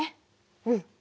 うん。